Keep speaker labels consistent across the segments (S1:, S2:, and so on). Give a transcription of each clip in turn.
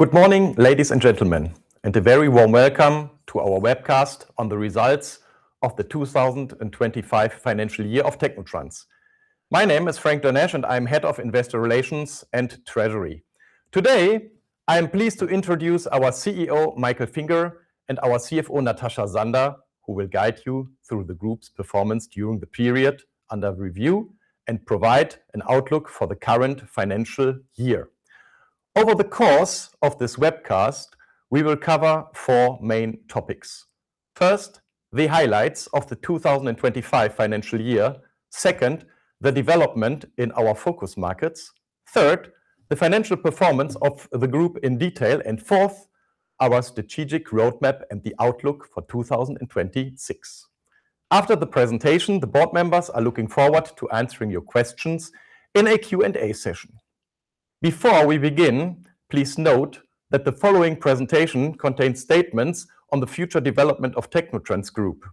S1: Good morning, ladies and gentlemen, and a very warm welcome to our webcast on the results of the 2025 financial year of technotrans. My name is Frank Dernesch, and I'm Head of Investor Relations and Treasury. Today, I am pleased to introduce our CEO, Michael Finger, and our CFO, Natascha Sander, who will guide you through the group's performance during the period under review and provide an outlook for the current financial year. Over the course of this webcast, we will cover four main topics. First, the highlights of the 2025 financial year. Second, the development in our focus markets. Third, the financial performance of the group in detail. Fourth, our strategic roadmap and the outlook for 2026. After the presentation, the board members are looking forward to answering your questions in a Q&A session. Before we begin, please note that the following presentation contains statements on the future development of technotrans Group.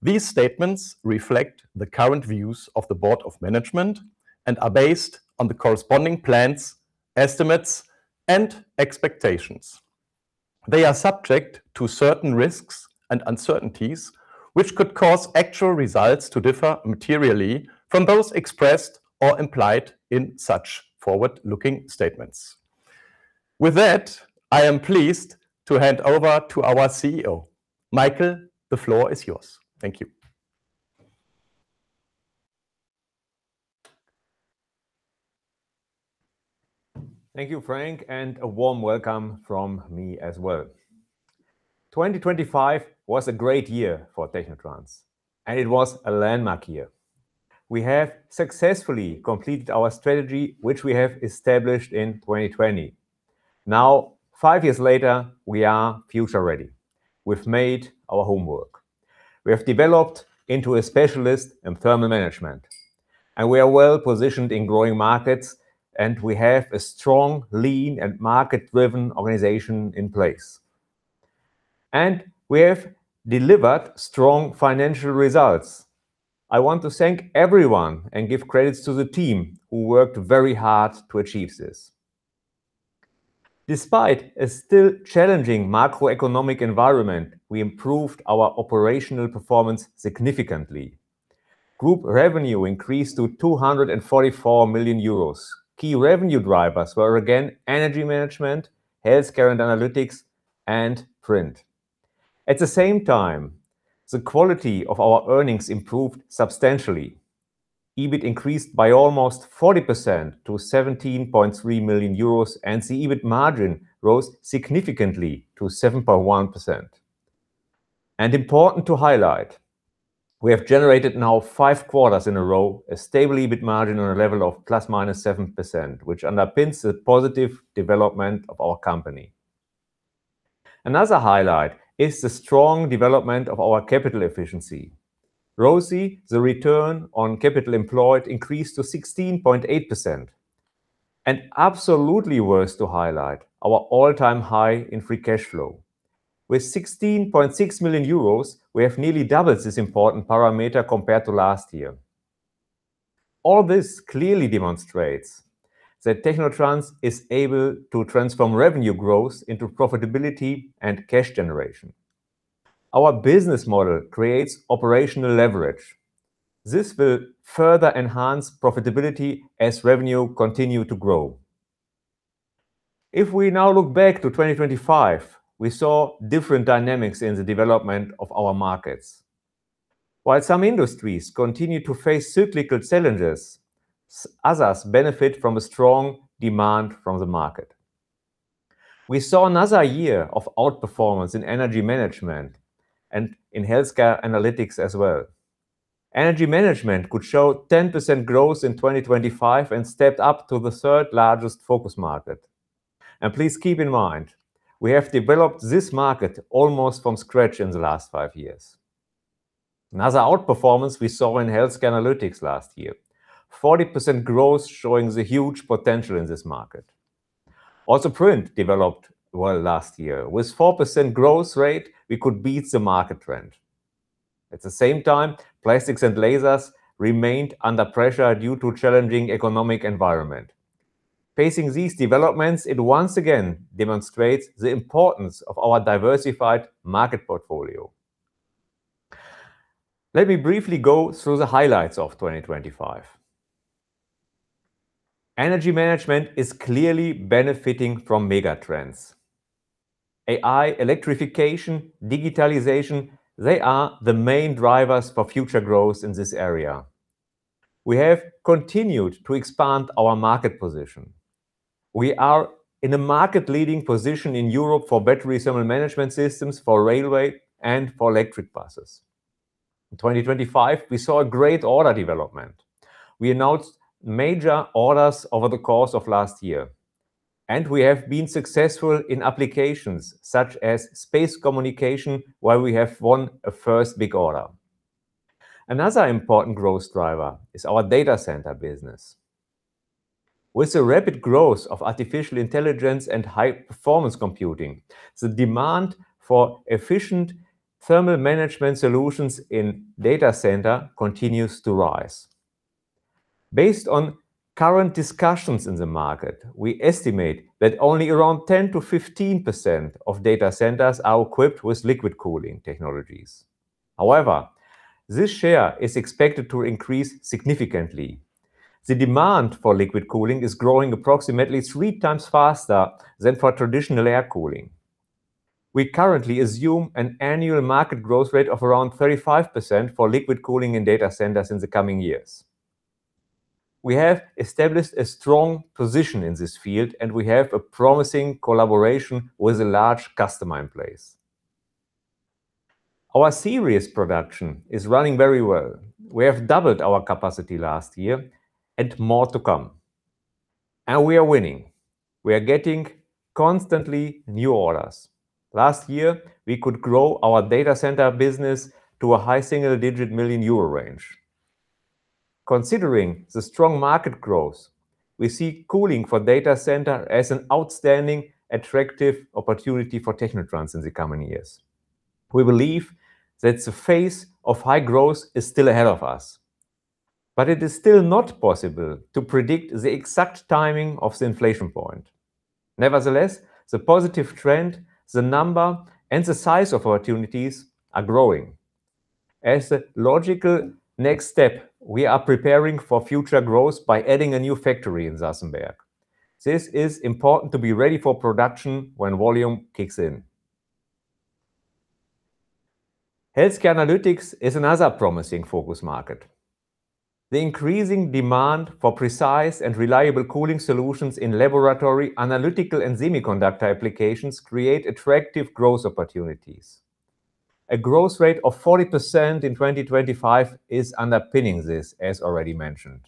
S1: These statements reflect the current views of the board of management and are based on the corresponding plans, estimates, and expectations. They are subject to certain risks and uncertainties, which could cause actual results to differ materially from those expressed or implied in such forward-looking statements. With that, I am pleased to hand over to our CEO. Michael, the floor is yours. Thank you.
S2: Thank you, Frank, and a warm welcome from me as well. 2025 was a great year for technotrans, and it was a landmark year. We have successfully completed our strategy, which we have established in 2020. Now, five years later, we are future-ready. We've done our homework. We have developed into a specialist in thermal management, and we are well-positioned in growing markets, and we have a strong, lean, and market-driven organization in place. We have delivered strong financial results. I want to thank everyone and give credits to the team who worked very hard to achieve this. Despite a still challenging macroeconomic environment, we improved our operational performance significantly. Group revenue increased to 244 million euros. Key revenue drivers were again Energy Management, Healthcare & Analytics, and Print. At the same time, the quality of our earnings improved substantially. EBIT increased by almost 40% to 17.3 million euros, and the EBIT margin rose significantly to 7.1%. Important to highlight, we have generated now five quarters in a row, a stable EBIT margin on a level of ±7%, which underpins the positive development of our company. Another highlight is the strong development of our capital efficiency. ROCE, the return on capital employed, increased to 16.8%. Absolutely worth to highlight, our all-time high in free cash flow. With 16.6 million euros, we have nearly doubled this important parameter compared to last year. All this clearly demonstrates that technotrans is able to transform revenue growth into profitability and cash generation. Our business model creates operational leverage. This will further enhance profitability as revenue continue to grow. If we now look back to 2025, we saw different dynamics in the development of our markets. While some industries continue to face cyclical challenges, others benefit from a strong demand from the market. We saw another year of outperformance in Energy Management and in Healthcare Analytics as well. Energy Management could show 10% growth in 2025 and stepped up to the third-largest focus market. Please keep in mind, we have developed this market almost from scratch in the last five years. Another outperformance we saw in Healthcare Analytics last year. 40% growth showing the huge potential in this market. Also, Print developed well last year. With 4% growth rate, we could beat the market trend. At the same time, Plastics and Lasers remained under pressure due to challenging economic environment. Facing these developments, it once again demonstrates the importance of our diversified market portfolio. Let me briefly go through the highlights of 2025. Energy Management is clearly benefiting from mega trends. AI, electrification, digitalization, they are the main drivers for future growth in this area. We have continued to expand our market position. We are in a market-leading position in Europe for battery thermal management systems for railway and for electric buses. In 2025, we saw a great order development. We announced major orders over the course of last year, and we have been successful in applications such as space communication, where we have won a first big order. Another important growth driver is our data center business. With the rapid growth of artificial intelligence and high-performance computing, the demand for efficient thermal management solutions in data centers continues to rise. Based on current discussions in the market, we estimate that only around 10%-15% of data centers are equipped with liquid cooling technologies. However, this share is expected to increase significantly. The demand for liquid cooling is growing approximately three times faster than for traditional air cooling. We currently assume an annual market growth rate of around 35% for liquid cooling in data centers in the coming years. We have established a strong position in this field, and we have a promising collaboration with a large customer in place. Our series production is running very well. We have doubled our capacity last year and more to come. We are winning. We are getting constantly new orders. Last year, we could grow our data centers business to a high single-digit million euro range. Considering the strong market growth, we see cooling for data centers as an outstanding, attractive opportunity for technotrans in the coming years. We believe that the phase of high growth is still ahead of us, but it is still not possible to predict the exact timing of the inflection point. Nevertheless, the positive trend, the number and the size of opportunities are growing. As a logical next step, we are preparing for future growth by adding a new factory in Sassenberg. This is important to be ready for production when volume kicks in. Healthcare & Analytics is another promising focus market. The increasing demand for precise and reliable cooling solutions in laboratory, analytical, and semiconductor applications create attractive growth opportunities. A growth rate of 40% in 2025 is underpinning this, as already mentioned.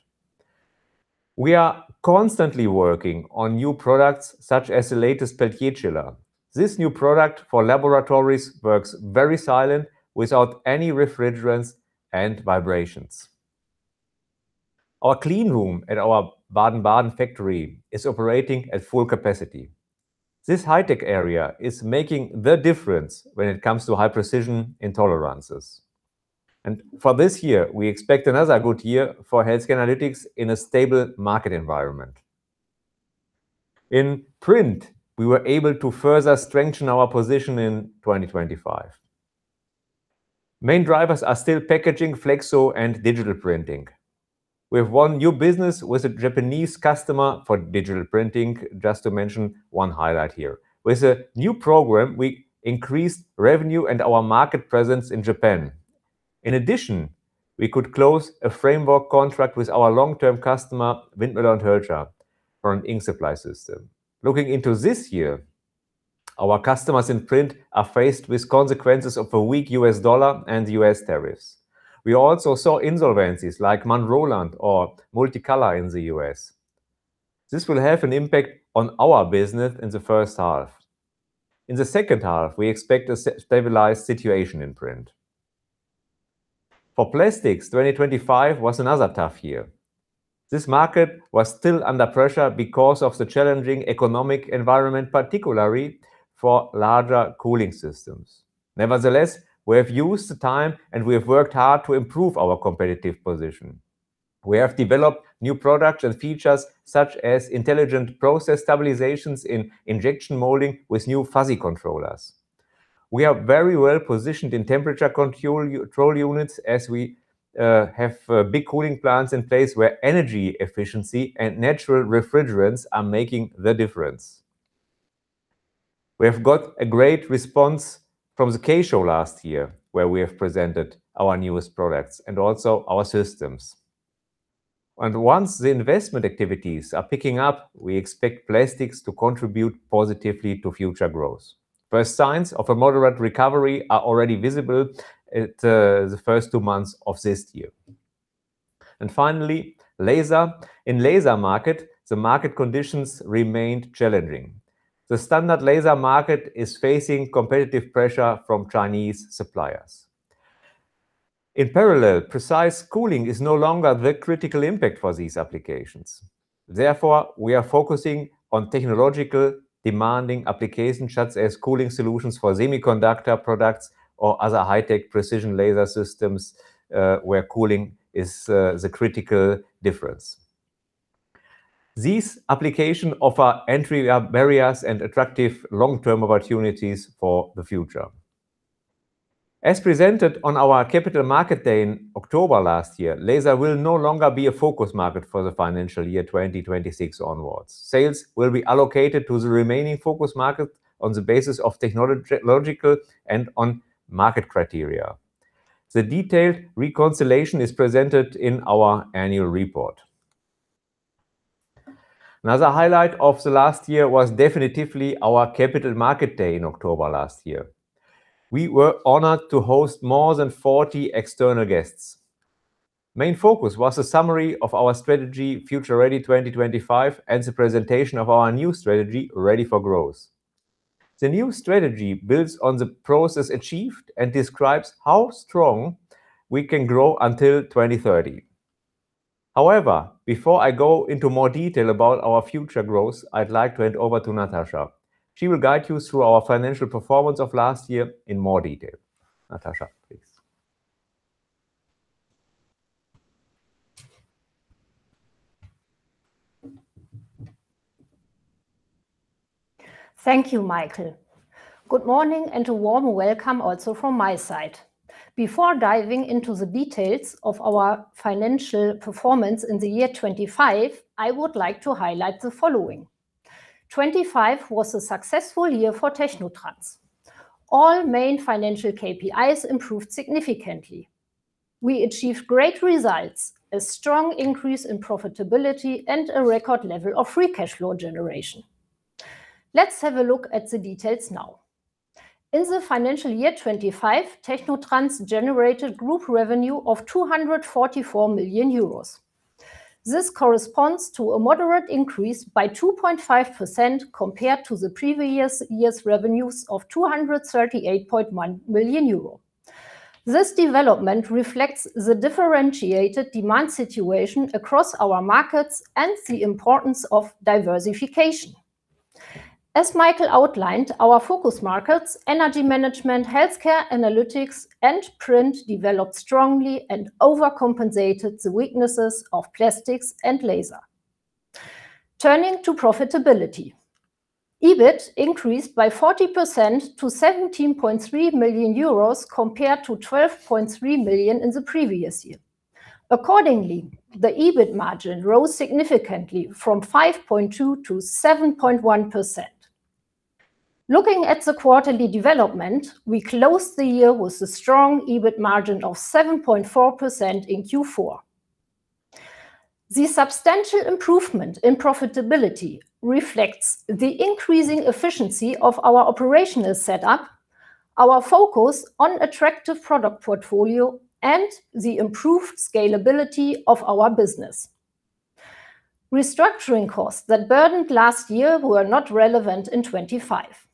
S2: We are constantly working on new products, such as the latest Peltier chiller. This new product for laboratories works very silent without any refrigerants and vibrations. Our clean room at our Baden-Baden factory is operating at full capacity. This high-tech area is making the difference when it comes to high precision in tolerances. For this year, we expect another good year for Healthcare & Analytics in a stable market environment. In Print, we were able to further strengthen our position in 2025. Main drivers are still packaging, flexo, and digital printing. We have won new business with a Japanese customer for digital printing, just to mention one highlight here. With a new program, we increased revenue and our market presence in Japan. In addition, we could close a framework contract with our long-term customer, Windmöller & Hölscher, for an ink supply system. Looking into this year, our customers in Print are faced with consequences of a weak U.S. dollar and U.S. tariffs. We also saw insolvencies like manroland or Multi-Color in the U.S. This will have an impact on our business in the first half. In the second half, we expect a stabilized situation in Print. For Plastics, 2025 was another tough year. This market was still under pressure because of the challenging economic environment, particularly for larger cooling systems. Nevertheless, we have used the time, and we have worked hard to improve our competitive position. We have developed new products and features such as intelligent process stabilizations in injection molding with new fuzzy controllers. We are very well positioned in temperature control units as we have big cooling plants in place where energy efficiency and natural refrigerants are making the difference. We have got a great response from the K Show last year, where we have presented our newest products and also our systems. Once the investment activities are picking up, we expect Plastics to contribute positively to future growth. First signs of a moderate recovery are already visible in the first two months of this year. Finally, Laser. In the Laser market, the market conditions remained challenging. The standard laser market is facing competitive pressure from Chinese suppliers. In parallel, precise cooling is no longer the critical impact for these applications. Therefore, we are focusing on technologically demanding applications such as cooling solutions for semiconductor products or other high-tech precision laser systems, where cooling is the critical difference. These applications offer entry barriers and attractive long-term opportunities for the future. As presented on our Capital Markets Day in October last year, Laser will no longer be a focus market for the financial year 2026 onwards. Sales will be allocated to the remaining focus markets on the basis of technological and end-market criteria. The detailed reconciliation is presented in our annual report. Another highlight of the last year was definitively our Capital Markets Day in October last year. We were honored to host more than 40 external guests. The main focus was a summary of our strategy, Future Ready 2025, and the presentation of our new strategy, Ready for Growth. The new strategy builds on the progress achieved and describes how strongly we can grow until 2030. However, before I go into more detail about our future growth, I'd like to hand over to Natascha. She will guide you through our financial performance of last year in more detail. Natascha, please.
S3: Thank you, Michael. Good morning and a warm welcome also from my side. Before diving into the details of our financial performance in the year 2025, I would like to highlight the following. 2025 was a successful year for technotrans. All main financial KPIs improved significantly. We achieved great results, a strong increase in profitability, and a record level of free cash flow generation. Let's have a look at the details now. In the financial year 2025, technotrans generated group revenue of 244 million euros. This corresponds to a moderate increase by 2.5% compared to the previous year's revenues of 238.1 million euro. This development reflects the differentiated demand situation across our markets and the importance of diversification. As Michael outlined, our focus markets, Energy Management, Healthcare & Analytics, and Print, developed strongly and overcompensated the weaknesses of Plastics and Laser. Turning to profitability. EBIT increased by 40% to 17.3 million euros compared to 12.3 million in the previous year. Accordingly, the EBIT margin rose significantly from 5.2% to 7.1%. Looking at the quarterly development, we closed the year with a strong EBIT margin of 7.4% in Q4. The substantial improvement in profitability reflects the increasing efficiency of our operational setup, our focus on attractive product portfolio, and the improved scalability of our business. Restructuring costs that burdened last year were not relevant in 2025.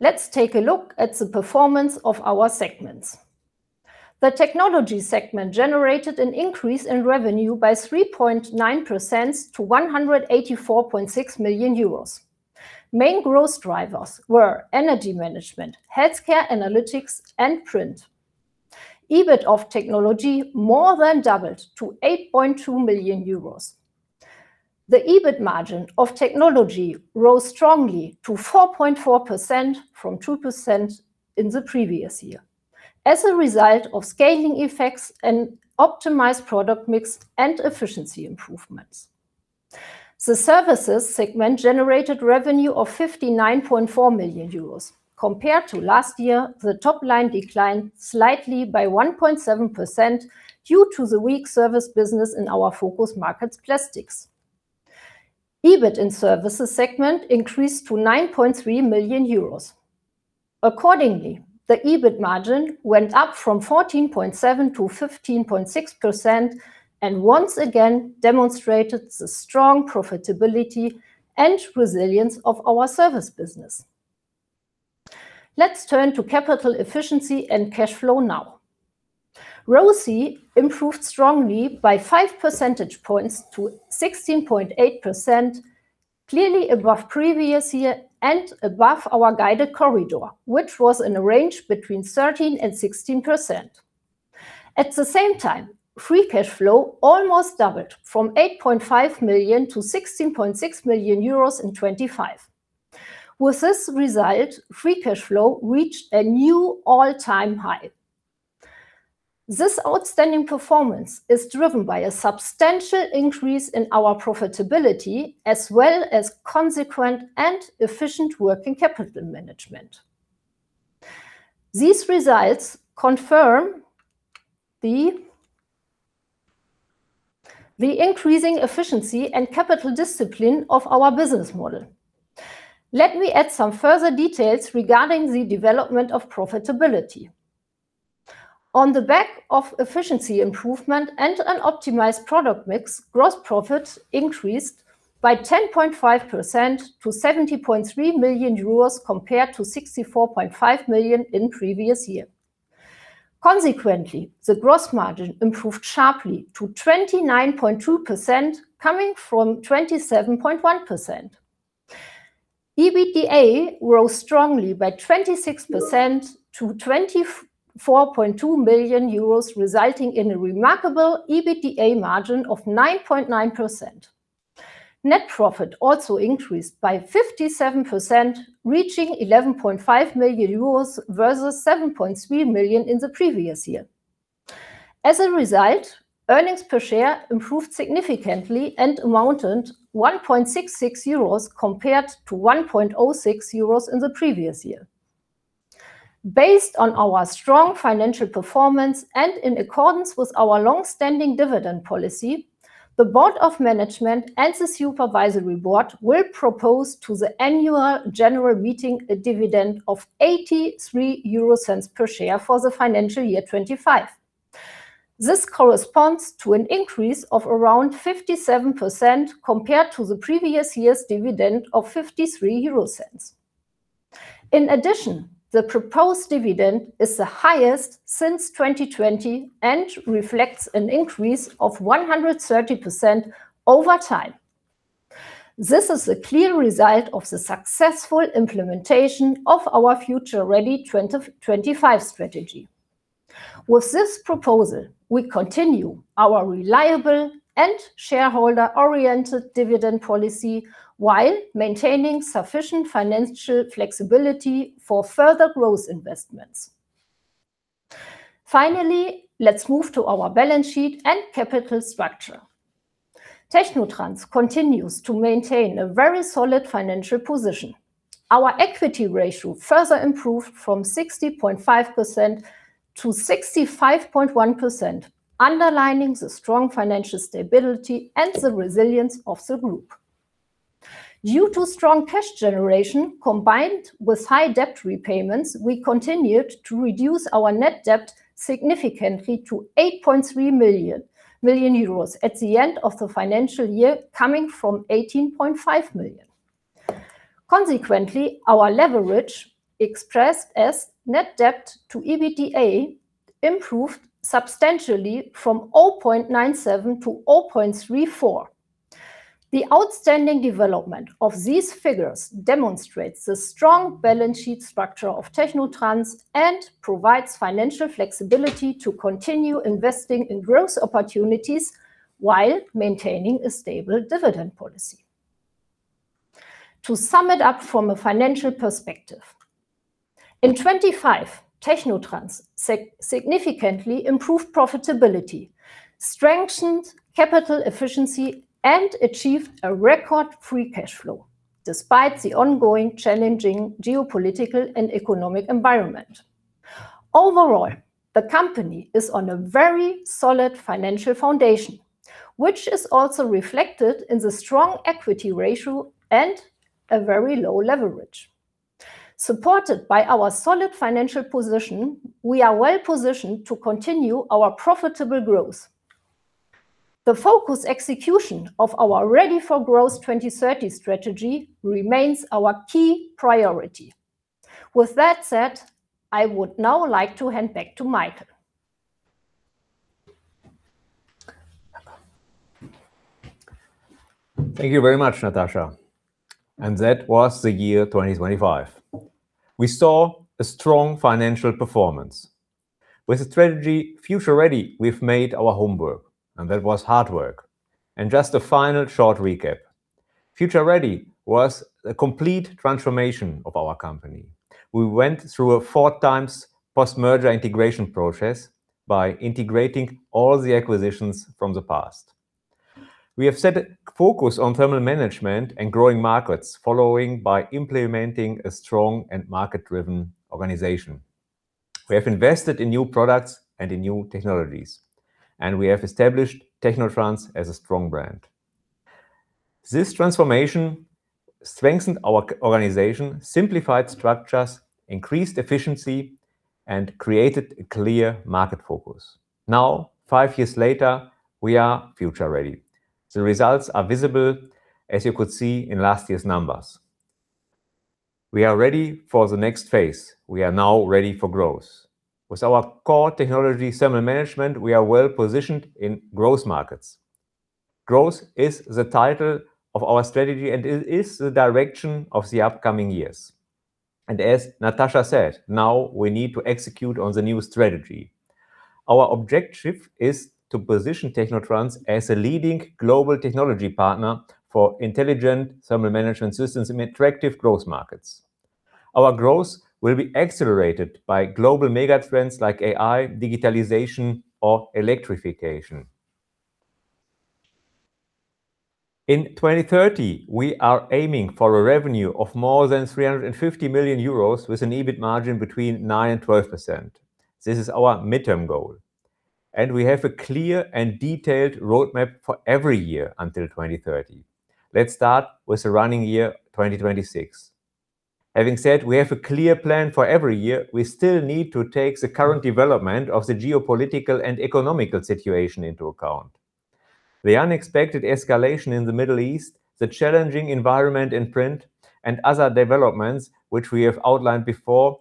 S3: Let's take a look at the performance of our segments. The Technology segment generated an increase in revenue by 3.9% to 184.6 million euros. Main growth drivers were Energy Management, Healthcare & Analytics, and Print. EBIT of Technology more than doubled to 8.2 million euros. The EBIT margin of Technology rose strongly to 4.4% from 2% in the previous year, as a result of scaling effects and optimized product mix and efficiency improvements. The Services segment generated revenue of 59.4 million euros. Compared to last year, the top line declined slightly by 1.7% due to the weak service business in our focus markets, Plastics. EBIT in Services segment increased to 9.3 million euros. Accordingly, the EBIT margin went up from 14.7% to 15.6% and once again demonstrated the strong profitability and resilience of our service business. Let's turn to capital efficiency and cash flow now. ROCE improved strongly by 5 percentage points to 16.8%, clearly above previous year and above our guided corridor, which was in a range between 13% and 16%. At the same time, free cash flow almost doubled from 8.5 million to 16.6 million euros in 2025. With this result, free cash flow reached a new all-time high. This outstanding performance is driven by a substantial increase in our profitability as well as consequent and efficient working capital management. These results confirm the increasing efficiency and capital discipline of our business model. Let me add some further details regarding the development of profitability. On the back of efficiency improvement and an optimized product mix, gross profit increased by 10.5% to 70.3 million euros compared to 64.5 million in previous year. Consequently, the gross margin improved sharply to 29.2% coming from 27.1%. EBITDA rose strongly by 26% to 24.2 million euros, resulting in a remarkable EBITDA margin of 9.9%. Net profit also increased by 57%, reaching 11.5 million euros versus 7.3 million in the previous year. As a result, earnings per share improved significantly and amounted 1.66 euros compared to 1.06 euros in the previous year. Based on our strong financial performance and in accordance with our long-standing dividend policy, the Board of Management and the Supervisory Board will propose to the annual general meeting a dividend of 0.83 per share for the financial year 2025. This corresponds to an increase of around 57% compared to the previous year's dividend of 0.53. In addition, the proposed dividend is the highest since 2020 and reflects an increase of 130% over time. This is a clear result of the successful implementation of our Future Ready 2025 strategy. With this proposal, we continue our reliable and shareholder-oriented dividend policy while maintaining sufficient financial flexibility for further growth investments. Finally, let's move to our balance sheet and capital structure. technotrans continues to maintain a very solid financial position. Our equity ratio further improved from 60.5% to 65.1%, underlining the strong financial stability and the resilience of the group. Due to strong cash generation, combined with high debt repayments, we continued to reduce our net debt significantly to 8.3 million at the end of the financial year, coming from 18.5 million. Consequently, our leverage, expressed as net debt to EBITDA, improved substantially from 0.97 to 0.34. The outstanding development of these figures demonstrates the strong balance sheet structure of technotrans and provides financial flexibility to continue investing in growth opportunities while maintaining a stable dividend policy. To sum it up from a financial perspective, in 2025, technotrans significantly improved profitability, strengthened capital efficiency, and achieved a record free cash flow despite the ongoing challenging geopolitical and economic environment. Overall, the company is on a very solid financial foundation, which is also reflected in the strong equity ratio and a very low leverage. Supported by our solid financial position, we are well-positioned to continue our profitable growth. The focused execution of our Ready for Growth 2030 strategy remains our key priority. With that said, I would now like to hand back to Michael.
S2: Thank you very much, Natascha. That was the year 2025. We saw a strong financial performance. With the strategy Future Ready, we've made our homework, and that was hard work. Just a final short recap. Future Ready was a complete transformation of our company. We went through a four times post-merger integration process by integrating all the acquisitions from the past. We have set a focus on thermal management and growing markets, followed by implementing a strong and market-driven organization. We have invested in new products and in new technologies, and we have established technotrans as a strong brand. This transformation strengthened our organization, simplified structures, increased efficiency, and created a clear market focus. Now, five years later, we are future ready. The results are visible, as you could see in last year's numbers. We are ready for the next phase. We are now ready for growth. With our core technology, thermal management, we are well-positioned in growth markets. Growth is the title of our strategy, and it is the direction of the upcoming years. As Natascha said, now we need to execute on the new strategy. Our objective is to position technotrans as a leading global technology partner for intelligent thermal management systems in attractive growth markets. Our growth will be accelerated by global mega trends like AI, digitalization or electrification. In 2030, we are aiming for a revenue of more than 350 million euros with an EBIT margin between 9%-12%. This is our midterm goal, and we have a clear and detailed roadmap for every year until 2030. Let's start with the running year, 2026. Having said we have a clear plan for every year, we still need to take the current development of the geopolitical and economic situation into account. The unexpected escalation in the Middle East, the challenging environment in print, and other developments which we have outlined before,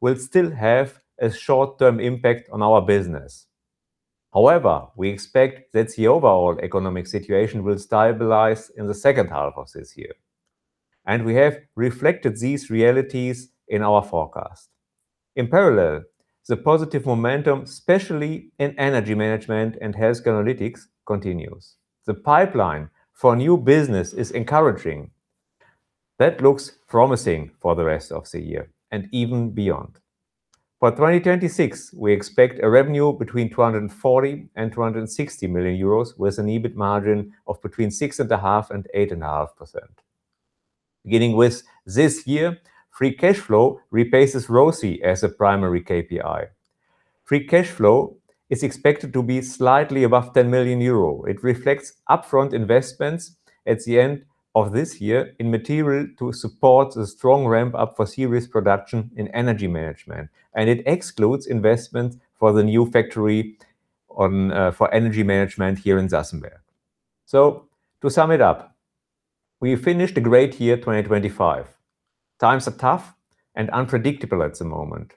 S2: will still have a short-term impact on our business. However, we expect that the overall economic situation will stabilize in the second half of this year, and we have reflected these realities in our forecast. In parallel, the positive momentum, especially in energy management and health analytics, continues. The pipeline for new business is encouraging. That looks promising for the rest of the year and even beyond. For 2026, we expect a revenue between 240 million and 260 million euros, with an EBIT margin of between 6.5% and 8.5%. Beginning with this year, free cash flow replaces ROCE as a primary KPI. Free cash flow is expected to be slightly above 10 million euro. It reflects upfront investments at the end of this year in material to support the strong ramp up for series production in Energy Management, and it excludes investments for the new factory on for Energy Management here in Sassenberg. To sum it up, we finished a great year, 2025. Times are tough and unpredictable at the moment.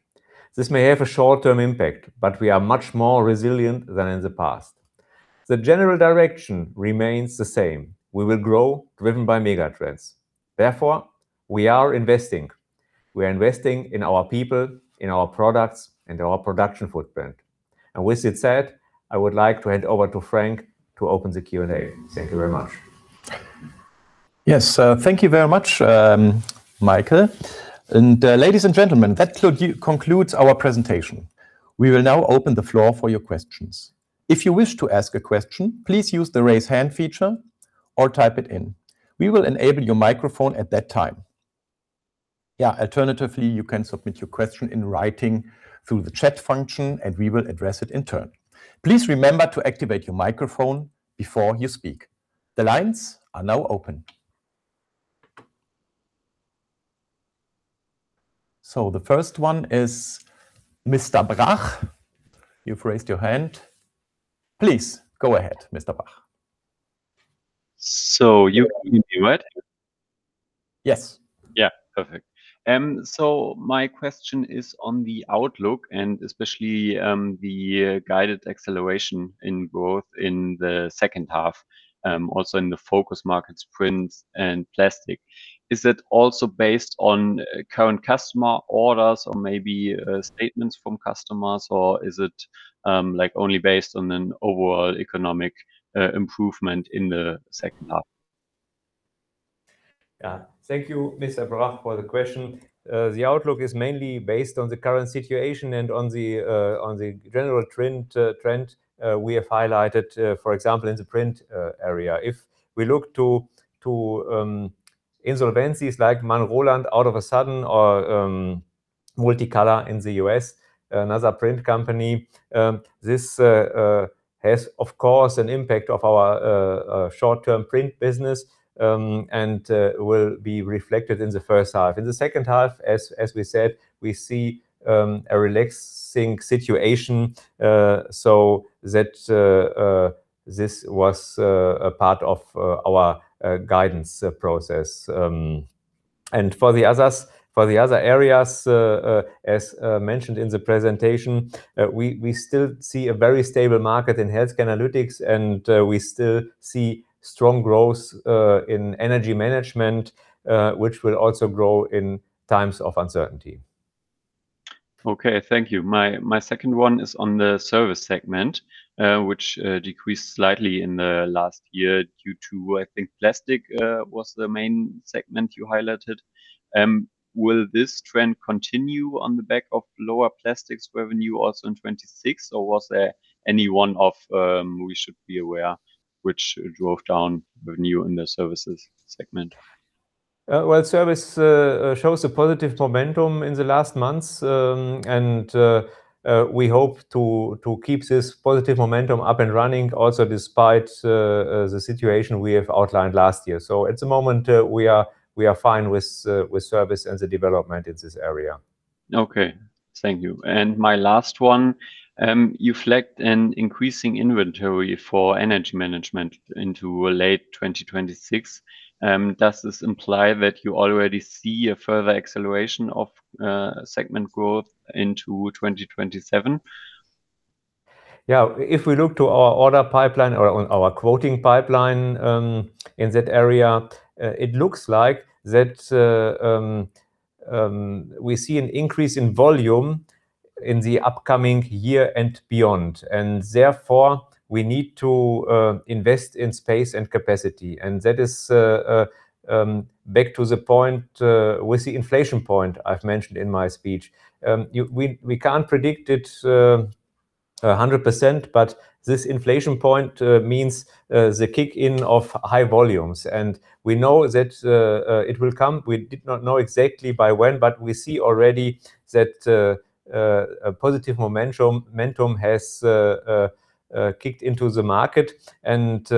S2: This may have a short-term impact, but we are much more resilient than in the past. The general direction remains the same. We will grow, driven by mega trends. Therefore, we are investing. We are investing in our people, in our products, and our production footprint. With it said, I would like to hand over to Frank to open the Q&A. Thank you very much.
S1: Yes. Thank you very much, Michael. Ladies and gentlemen, that concludes our presentation. We will now open the floor for your questions. If you wish to ask a question, please use the Raise Hand feature or type it in. We will enable your microphone at that time. Yeah. Alternatively, you can submit your question in writing through the chat function, and we will address it in turn. Please remember to activate your microphone before you speak. The lines are now open. The first one is Mr. Brach. You've raised your hand. Please go ahead, Mr. Brach.
S4: You hear it?
S1: Yes.
S4: Yeah. Perfect. My question is on the outlook and especially the guided acceleration in growth in the second half, also in the focus markets, Print and Plastics. Is that also based on current customer orders or maybe statements from customers, or is it, like, only based on an overall economic improvement in the second half?
S2: Yeah. Thank you, Mr. Brach, for the question. The outlook is mainly based on the current situation and on the general trend we have highlighted, for example, in the print area. If we look to insolvencies like manroland all of a sudden or Multi-Color in the U.S., another print company, this has of course an impact on our short-term print business and will be reflected in the first half. In the second half, as we said, we see a relaxing situation. That this was a part of our guidance process. For the other areas, as mentioned in the presentation, we still see a very stable market in Healthcare Analytics, and we still see strong growth in Energy Management, which will also grow in times of uncertainty.
S4: Okay. Thank you. My second one is on the service segment, which decreased slightly in the last year due to, I think, plastics was the main segment you highlighted. Will this trend continue on the back of lower plastics revenue also in 2026, or was there any one-off we should be aware of which drove down revenue in the services segment?
S2: Well, service shows a positive momentum in the last months, and we hope to keep this positive momentum up and running also despite the situation we have outlined last year. At the moment, we are fine with service and the development in this area.
S4: Okay. Thank you. My last one, you flagged an increasing inventory for Energy Management into late 2026. Does this imply that you already see a further acceleration of segment growth into 2027?
S2: Yeah. If we look to our order pipeline or our quoting pipeline, in that area, it looks like that, we see an increase in volume in the upcoming year and beyond, and therefore we need to invest in space and capacity, and that is back to the point, with the inflection point I've mentioned in my speech. We can't predict it 100%, but this inflection point means the kick in of high volumes, and we know that it will come. We did not know exactly by when, but we see already that a positive momentum has kicked into the market and,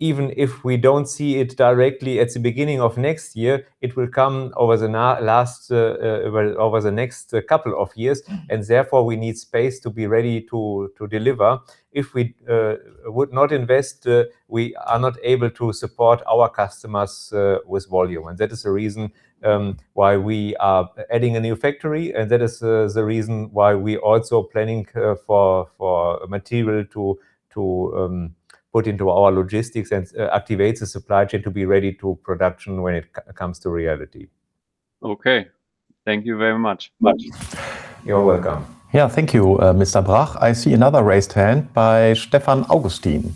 S2: even if we don't see it directly at the beginning of next year, it will come over the next couple of years, and therefore we need space to be ready to deliver. If we would not invest, we are not able to support our customers with volume, and that is the reason why we are adding a new factory, and that is the reason why we also planning for material to put into our logistics and activate the supply chain to be ready to production when it comes to reality.
S4: Okay. Thank you very much.
S2: You're welcome.
S1: Yeah. Thank you, Mr. Brach. I see another raised hand by Stefan Augustin.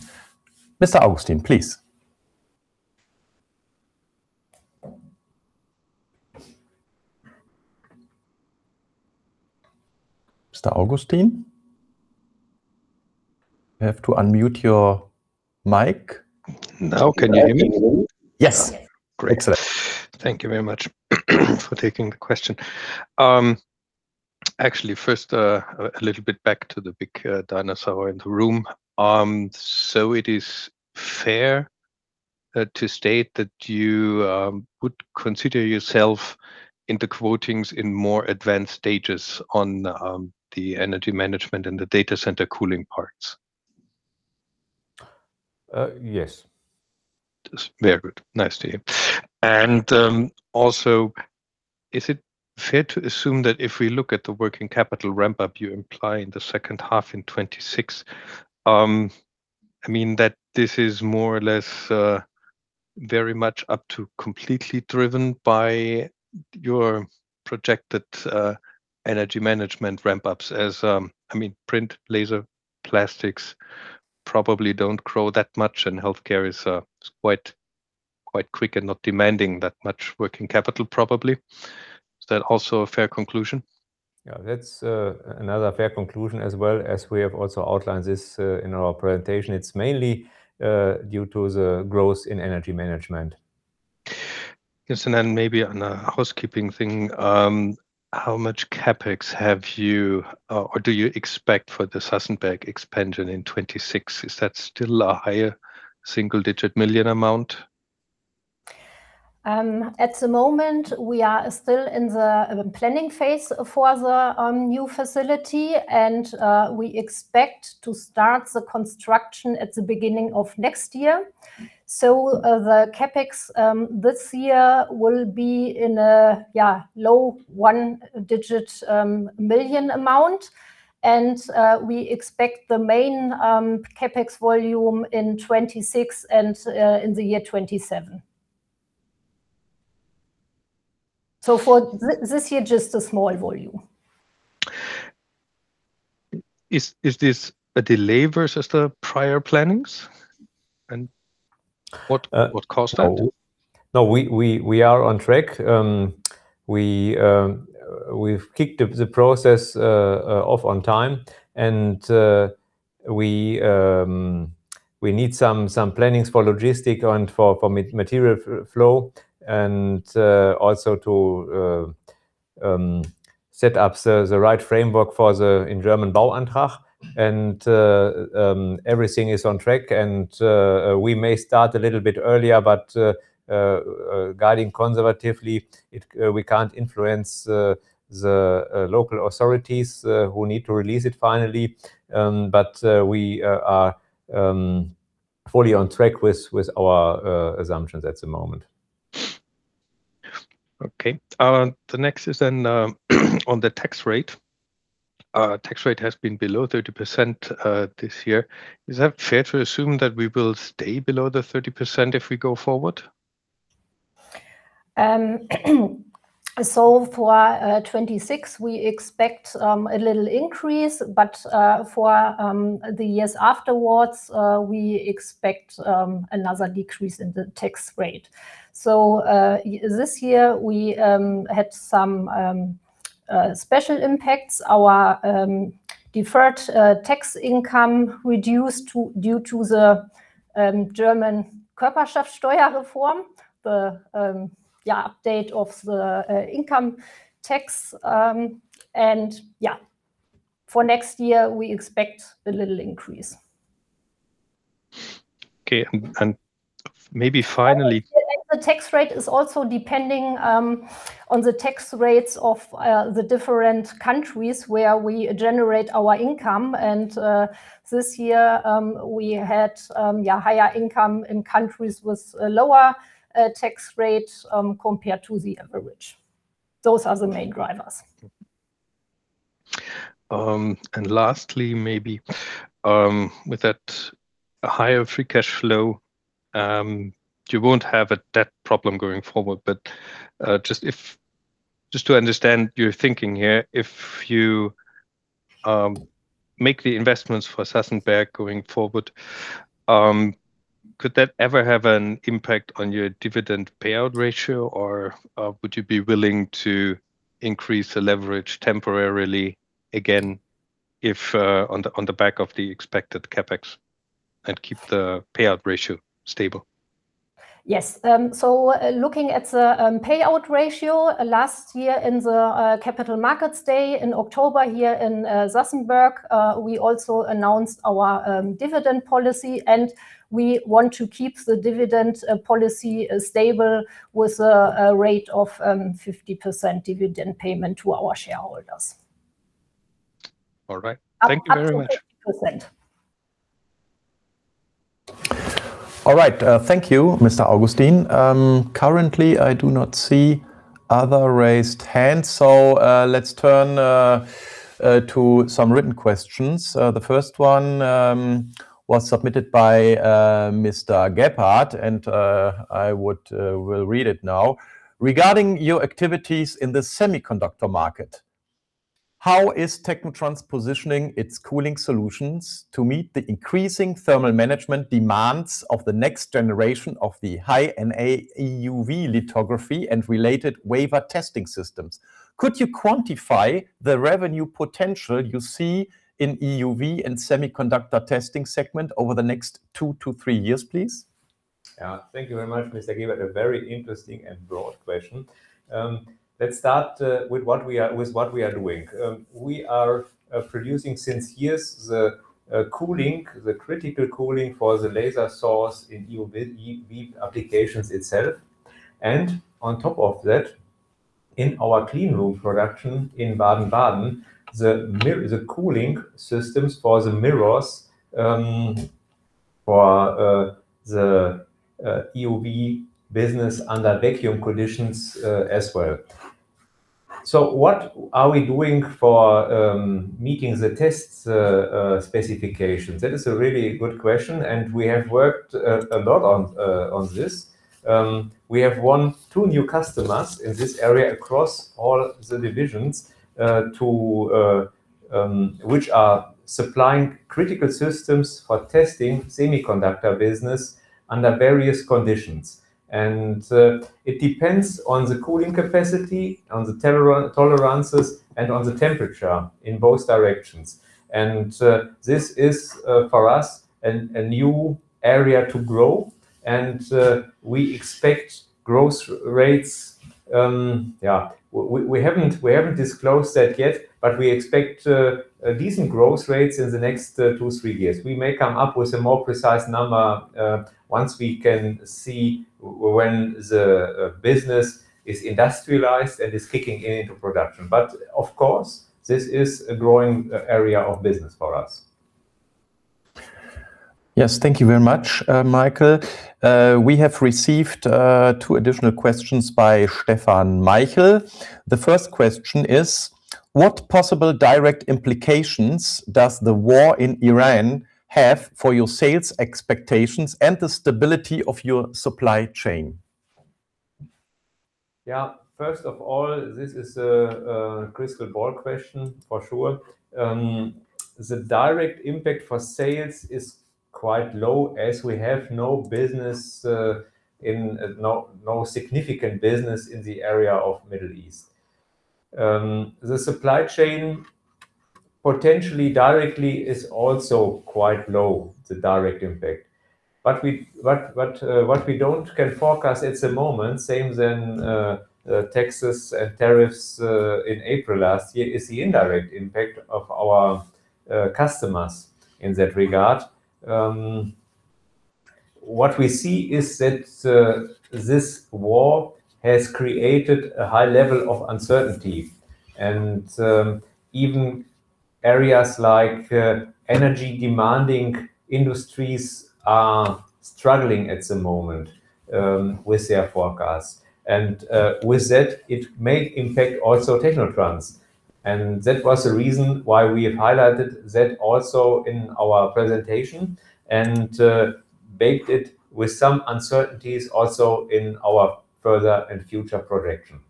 S1: Mr. Augustin, please. Mr. Augustin? You have to unmute your mic.
S5: Now can you hear me?
S1: Yes.
S5: Great. Thank you very much for taking the question. actually first, a little bit back to the big, dinosaur in the room. It is fair to state that you would consider yourself in the quotings in more advanced stages on the Energy Management and the data center cooling parts?
S2: Yes.
S5: That's very good. Nice to hear. Also, is it fair to assume that if we look at the working capital ramp up you imply in the second half in 2026, I mean, that this is more or less very much up to completely driven by your projected Energy Management ramp ups as, I mean, Print, Laser, Plastics probably don't grow that much, and Healthcare is quite quick and not demanding that much working capital probably. Is that also a fair conclusion?
S2: Yeah. That's another fair conclusion as well as we have also outlined this in our presentation. It's mainly due to the growth in Energy Management.
S5: Yes, maybe on a housekeeping thing, how much CapEx have you or do you expect for the Sassenberg expansion in 2026? Is that still a higher single-digit million amount?
S3: At the moment, we are still in the planning phase for the new facility, and we expect to start the construction at the beginning of next year. The CapEx this year will be in a yeah low one-digit million amount. We expect the main CapEx volume in 2026 and in the year 2027. For this year, just a small volume.
S5: Is this a delay versus the prior plannings? What caused that?
S2: No, we are on track. We’ve kicked the process off on time. We need some plannings for logistic and for material flow and also to set up the right framework for the, in German, Bauantrag. Everything is on track. We may start a little bit earlier, but guiding conservatively, we can't influence the local authorities who need to release it finally. But we are fully on track with our assumptions at the moment.
S5: Okay. The next is on the tax rate. Tax rate has been below 30% this year. Is that fair to assume that we will stay below the 30% if we go forward?
S3: For 2026, we expect a little increase. For the years afterwards, we expect another decrease in the tax rate. This year, we had some special impacts. Our deferred tax income reduced due to the German Körperschaftsteuer reform, the update of the income tax. For next year, we expect a little increase.
S5: Okay. Maybe finally.
S3: The tax rate is also depending on the tax rates of the different countries where we generate our income. This year we had yeah higher income in countries with a lower tax rate compared to the average. Those are the main drivers.
S5: Lastly, maybe, with that higher free cash flow, you won't have a debt problem going forward. To understand your thinking here, if you make the investments for Sassenberg going forward, could that ever have an impact on your dividend payout ratio? Would you be willing to increase the leverage temporarily again if on the back of the expected CapEx and keep the payout ratio stable?
S3: Yes. Looking at the payout ratio, last year in the Capital Markets Day in October here in Sassenberg, we also announced our dividend policy, and we want to keep the dividend policy stable with a rate of 50% dividend payment to our shareholders.
S5: All right. Thank you very much.
S3: Up to 50%.
S1: All right. Thank you, Mr. Augustin. Currently, I do not see other raised hands, so let's turn to some written questions. The first one was submitted by Mr. Gebhardt, and I will read it now. Regarding your activities in the semiconductor market, how is technotrans positioning its cooling solutions to meet the increasing thermal management demands of the next generation of the high-NA EUV lithography and related wafer testing systems? Could you quantify the revenue potential you see in EUV and semiconductor testing segment over the next two to three years, please?
S2: Yeah. Thank you very much, Mr. Gebhardt. A very interesting and broad question. Let's start with what we are doing. We are producing since years the critical cooling for the laser source in EUV applications itself. On top of that, in our clean room production in Baden-Baden, the cooling systems for the mirrors for the EUV business under vacuum conditions, as well. What are we doing for meeting the test specifications? That is a really good question, and we have worked a lot on this. We have won two new customers in this area across all the divisions to which are supplying critical systems for testing semiconductor business under various conditions. It depends on the cooling capacity, on the tight tolerances and on the temperature in both directions. This is for us a new area to grow and we expect growth rates. Yeah, we haven't disclosed that yet, but we expect a decent growth rates in the next two, three years. We may come up with a more precise number once we can see when the business is industrialized and is kicking in into production. Of course, this is a growing area of business for us.
S1: Yes. Thank you very much, Michael. We have received two additional questions by Stefan Michael. The first question is: What possible direct implications does the war in Iran have for your sales expectations and the stability of your supply chain?
S2: Yeah, first of all, this is a crystal ball question for sure. The direct impact for sales is quite low as we have no significant business in the area of Middle East. The supply chain potentially directly is also quite low, the direct impact. What we don't can forecast at the moment, same than taxes and tariffs in April last year, is the indirect impact of our customers in that regard. What we see is that this war has created a high level of uncertainty. Even areas like energy demanding industries are struggling at the moment with their forecast. with that, it may impact also technotrans, and that was the reason why we have highlighted that also in our presentation and baked it with some uncertainties also in our further and future projection.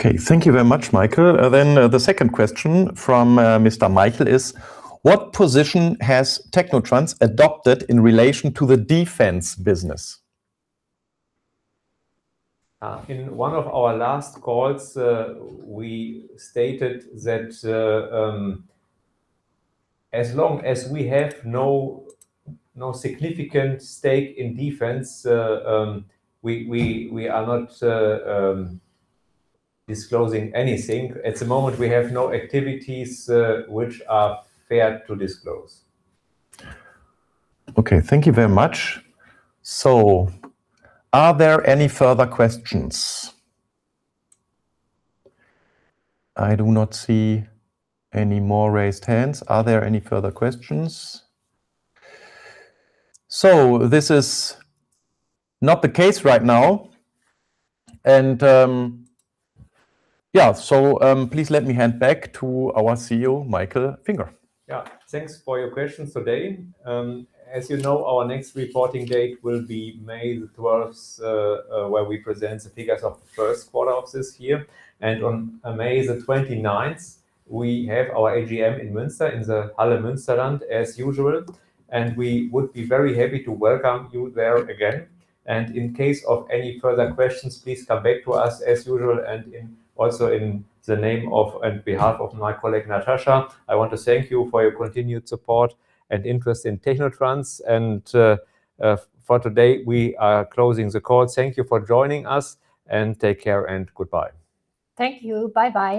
S1: Okay. Thank you very much, Michael. The second question from Stefan Michael is: What position has technotrans adopted in relation to the defense business?
S2: In one of our last calls, we stated that, as long as we have no significant stake in defense, we are not disclosing anything. At the moment we have no activities, which are fair to disclose.
S1: Okay. Thank you very much. Are there any further questions? I do not see any more raised hands. Are there any further questions? This is not the case right now. Please let me hand back to our CEO, Michael Finger.
S2: Yeah. Thanks for your questions today. As you know, our next reporting date will be May 12, where we present the figures of the first quarter of this year. On May 29, we have our AGM in Münster in the Halle Münsterland as usual, and we would be very happy to welcome you there again. In case of any further questions, please come back to us as usual and also in the name of and on behalf of my colleague, Natascha, I want to thank you for your continued support and interest in technotrans. For today, we are closing the call. Thank you for joining us. Take care and goodbye.
S3: Thank you. Bye bye.